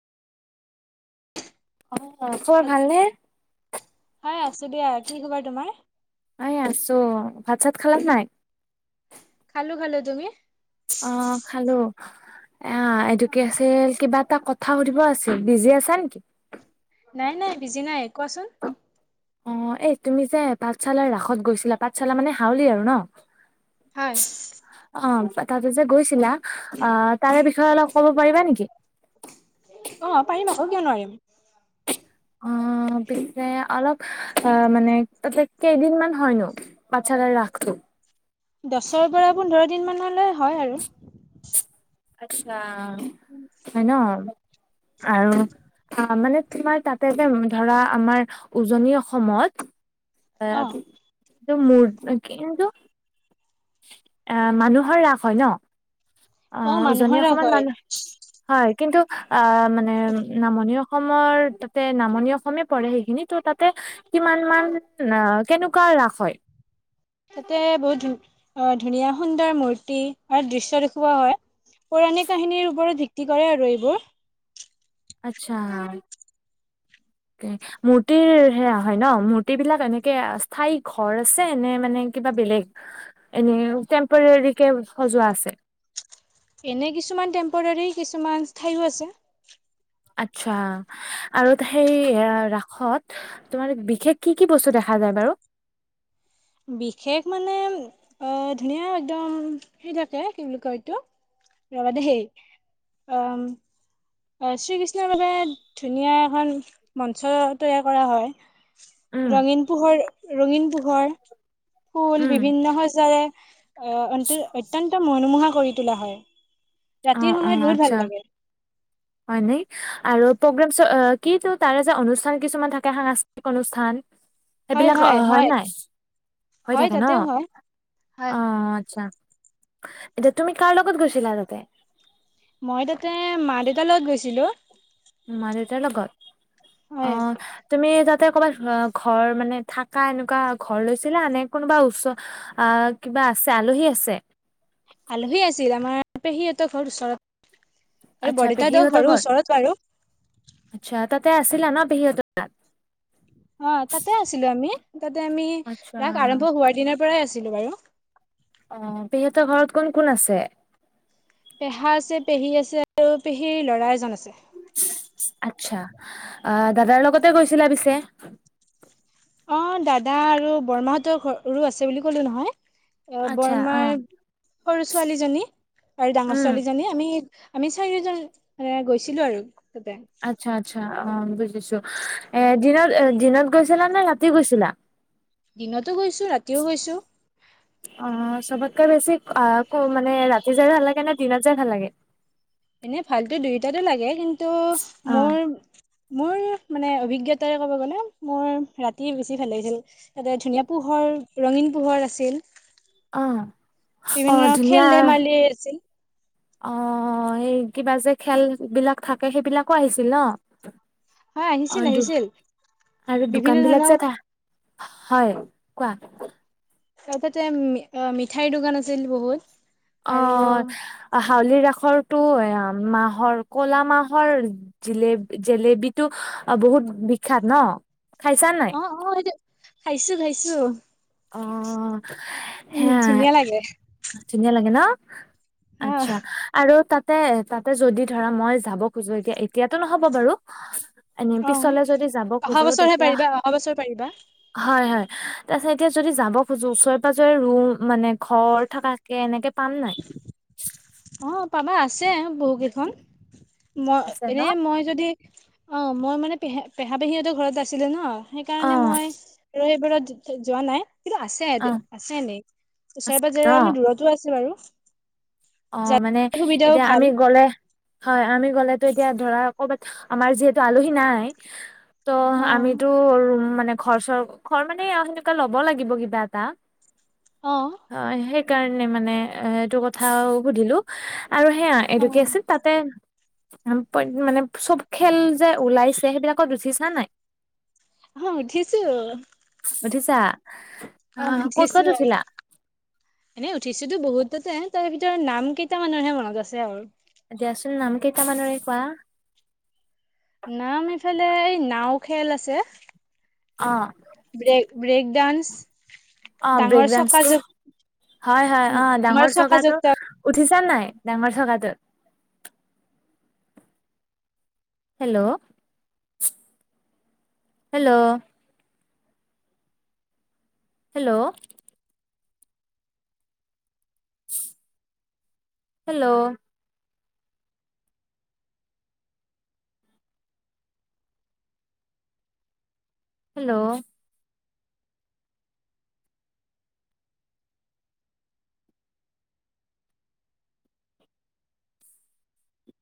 অ', খবৰ ভালনে। হয়, আছো দিয়া, কি খবৰ তোমাৰ? এই আছো, ভাত চাত খালান নাই। খালো খালো, তুমি? অ', খালো অ', এইটো কি আছিল? কিবা এটা ক থা সুধিব আছিল, বিজি আছা নেকি? নাই, নাই, বিজি নাই, কোৱাচোন। অ', এই তুমি যে পাঠশালাৰ ৰাসত গৈছিলা, পাঠশালা মানে হাউলি আৰু ন? হয়। অ', তাতে যে গৈছিলা অ', তাৰে বিষয়ে অলপ ক'ব পাৰিবা নেকি? অ', পাৰিম আকৌ, কিয় নোৱাৰিম। অ', পিছে অলপ অ', মানে তাতে কেইদিনমান হয়নো? পাতচালাৰ ৰাসতো। দছৰ পৰা পোন্ধৰ দিন মানলৈ হয় আৰু। আচ্ছা হয় ন, আৰু অ', মানে তোমাৰ তাতে যে ধৰা আমাৰ উজনি অসমত অ [unintelligible] এ মানুহৰ ৰাস হয় ন? অ', মানুহৰ উজনি ৰাস অসমত হয় মানুহ হয়, কিন্তু আ মানে নামনি অসমৰ নামনি অসমে পৰে সেইখিনি ত' তাতে কিমান মান অ', কেনেকুৱা ৰাস হয়? তাতে বহুত ধ আহ ধুনীয়া সুন্দৰ মূৰ্তি আৰু দৃশ্য দেখুওৱা হয়। পুৰণি কাহিনীৰ ওপৰত ভিত্তি কৰে আৰু এইবোৰ। আচ্ছা। মূৰ্তিৰ সেয়া হয় ন? মূৰ্তি বিলাক এনেকে স্থায়ী ঘৰ আছে নে মানে কিবা বেলেগ? এনে টেম্পৰেৰী কে সজোৱা আছে। এনে কিছুমান টেম্পৰাৰী কিছুমান ঠায়ো আছে। আচ্ছা, আৰু সেই ৰাসত তোমাৰ বিশেষ কি কি বস্তু দেখা যায় বাৰু? বিশেষ মানে ধুনীয়া একদম হেৰি থাকে, কি বুলি কয় এইটো? ৰবা দেই, অম শ্ৰীকৃষ্ণৰ বাবে ধুনীয়া এখন মঞ্চ তৈয়াৰ কৰা হয়। উম ৰঙীন পোহৰ, ৰঙীন পোহৰ, ফুল উম বিভিন্ন সচৰে অ', অন্ত অত্যন্ত মনোমোহা কৰি তোলা হয়, অ ৰাতিৰ সময়ত বহুত ভাল লাগে। হয় নে, আৰু প্ৰগ্ৰেমচ কিটো তাৰে যে অনুষ্ঠান কিছুমান থাকে সাংস্কৃতিক অনুষ্ঠান। সেইবিলাক অ', হয় নাই? হৈ হয় থাকে ন? তাতেও হয়। অ', আচ্ছা। এতিয়া তুমি কাৰ লগত গৈছিলা তাতে? মই তাতে মা-দেউতা লগত গৈছিলোঁ। মা-দেউতাৰ লগত হয় অহ। তুমি তাতে ক'বাত ঘৰ মানে থাকা এনেকুৱা ঘৰ লৈছিলা? নে কোনোবা ওচৰ। আহ কিবা আছে আলহী আছে? আলহী আছিল আমাৰ পেহীহঁতৰ ঘৰ ওচৰ আৰু আচ্ছা বৰদেউতাৰ পেহীহঁতৰ ঘৰো ঘৰত ওচৰত বাৰু। আচ্ছা! তাতে আছিলা ন পেহীহঁত। অহ তাতে আছিলো আমি তাতে আমি আচ্ছা ৰাস আৰম্ভ হোৱাৰ দিনৰ পৰাই আছিলোঁ বাৰু। অহ পেহী হঁতৰ ঘৰত কোন কোন আছে? পেহা আছে পেহী আছে আৰু পেহীৰ ল'ৰা এজন আছে। আচ আচ্ছা! অহ দাদাৰ লগতে গৈছিলা পিছে? অহ দাদা আৰু বৰমা হতঁৰ ঘৰুৰো আছে বুলি ক'লো নহয়। অহ আচ্ছা অ বৰমাৰ সৰু ছোৱালী জনী আৰু ডাঙৰ উম ছোৱালী জনী আমি আমি চাৰিওজন এ গৈছিলোঁ আৰু তাতে। আচ্ছা আচ্ছা! অহ বুজিছোঁ এ দিনত দিনত গৈছিলা নে ৰাতি গৈছিলা? দিনতো গৈছোঁ, ৰাতিও গৈছোঁ। অহ চবতকৈ অহ কো মানে ৰাতি যায় ভাল লাগে নে দিনত যায় ভাল লাগে? এনেই ভালতো দুয়োটা লাগে। কিন্তু অ মোৰ। মোৰ মানে অভিজ্ঞতাৰে ক'ব গ'লে মোৰ ৰাতি বেছি ভাল লাগিছিল। তাতে ধুনীয়া পোহৰ ৰঙীন পোহৰ আছিল। অ অ বিভিন্ন খেল ধেমালি আছিল। অহ এই কিবা যে খেল বিলাক থাকে সেইবিলাকো আহিছিল ন? হয় অ আহিছিল দো আহিছিল আৰু বিভিন্ন দোকান ধৰণৰ বিলাক যে থা। হয় কোৱা। লগতে মি অ মিঠাইৰ দোকান আছিল বহুত। আৰু অহ হাউলিৰ ৰাসৰটো এয়া মাহৰ কলা মাহৰ। জিলেবি ো অহ [unintelligible] বহুত বিখ্যাত ন খাইছা নে অহ সেইটো খাইছোঁ খাইছোঁ অ উম সেয়াই ধুনীয়া লাগে। ধুনীয়া লাগে ন আচ্ছা আহ হা। আৰু তাতে তাতে যদি ধৰা মই যাব খোজো যে এতিয়া এতিয়াতো নহ'ব বাৰু। এনেই অ পিছলে যদি যাব অহা খোজো বছৰহে তেতিয়া পাৰিবা অহা বছৰ পাৰিবা হয় হয় তাৰপিছত। এতিয়া যদি যাব খোজো ওচৰে পাজৰে ৰুম মানে ঘৰ থকাকে এনেকে পাম নাই। অহ পাবা আছে বহু কেইখন ময়ে আছে ন এনে মই। যদি অহ মই মানে পেহা পেহা পেহীহঁতৰ ঘৰত যে আছিলো মই অ সেইকাৰণে মই। আৰু সেইবোৰত যোৱা নাই কিন্তু আছে অ আছে এনেই ওচৰে আছে পাজৰে ন অলমান দূৰত। টো আছে বাৰু। অহ মানে যাতায়তৰ সুবিধাও এতিয়া ভাল আমি গ'লে। হয় আমি গ'লেতো এতিয়া ধৰা কবাত হা আমাৰ যিহেতু আলহী নাই। ত অ আমিতো ৰুম মানে ঘৰ চৰ ঘৰ মানে আও সেনেকুৱা ল'ব লাগিব কিবা এটা। অঁহ। অহ সেইকাৰণে মানে এহ এইটো কথা সুধিলোঁ। আৰু সেয়াই অ এইটো কি আছিল তাতে। উম প্ৰত্যেক দিন মানে চব খেল যে ওলাইছে সেইবিলাকত উঠিছা নাই। মই উঠিছোঁ। উঠিছা অহ ক'ত ক'ত উঠিলা। এনেই উঠিছোতো বহুত তাতে তাৰ ভিতৰত নাম কেইটা মানৰহে মনত আছে আও। দিয়াচোন নাম কেইটা মনকে কোৱা। নাম এইফালে, এই নাও খেল আছে। অ, ব্ৰেক, ব্ৰেক ডান্স। অ, ডাঙৰ চকা ব্ৰেকডাস্নটো, জোক হয় হয় অ, ডাঙৰ চকা চকাটো? জোক উঠিছানে নাই, ডাঙৰ চকাটোত? Hello, hello, hello, [inaudible] hello, hello,